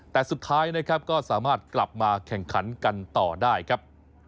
แต่สุดท้ายนะครับก็สามารถกลับมาแข่งขันกันต่อได้ครับ